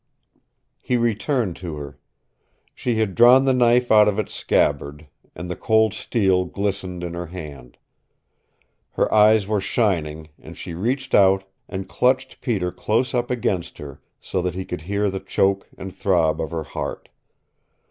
He returned to her. She had drawn the knife out of its scabbard, and the cold steel glistened in her hand. Her eyes were shining, and she reached out and clutched Peter close up against her, so that he could hear the choke and throb of her heart.